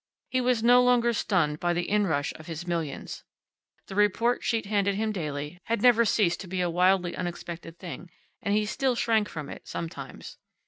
He was no longer stunned by the inrush of his millions. The report sheet handed him daily had never ceased to be a wildly unexpected thing, and he still shrank from it, sometimes.